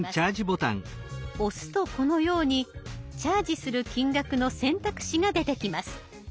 押すとこのようにチャージする金額の選択肢が出てきます。